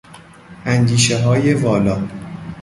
اندیشههای والا